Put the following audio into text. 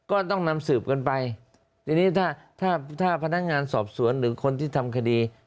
ก็ต้องนำสืบกันไปทีนี้ถ้าถ้าพนักงานสอบสวนหรือคนที่ทำคดี